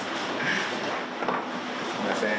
すみません。